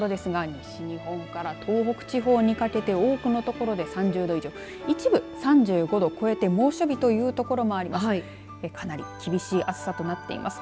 西日本から東北地方にかけて多くの所で３０度弱、一部、３５度を超えて猛暑日という所もあります。